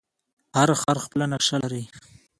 هر ښار خپله نقشه لري.